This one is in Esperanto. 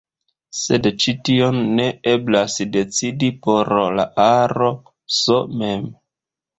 Sed ĉi tion ne eblas decidi por la aro "S" mem.